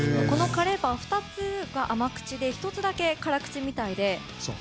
このカレーパンは、２つが甘口で、１つだけ辛口みたいで。